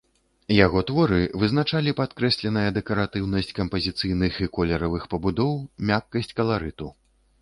Яго творы вызначалі падкрэсленая дэкаратыўнасць кампазіцыйных і колеравых пабудоў, мяккасць каларыту.